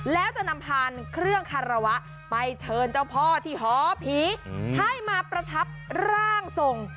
แล้วจะนำพานเครื่องคารวะไปเชิญเจ้าพ่อที่หอผีให้มาประทับร่างทรง